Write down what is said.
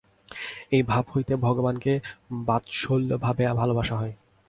এই ভাব হইতে ভগবানকে বাৎসল্যভাবে ভালবাসা হয়।